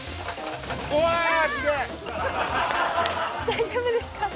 大丈夫ですか？